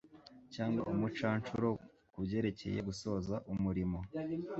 cyangwa umucancuro ku byerekeye gusoza umurimo